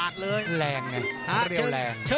นักมวยจอมคำหวังเว่เลยนะครับ